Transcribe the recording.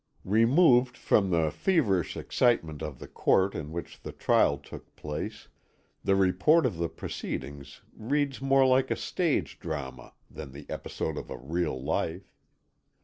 "Removed from the feverish excitement of the court in which the trial took place, the report of the proceedings reads more like a stage drama than an episode of real life.